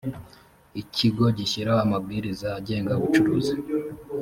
ikigo gishyiraho amabwiriza agenga ubucuruzi